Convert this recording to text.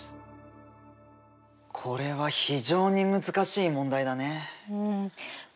これは非常に難しい問題だね。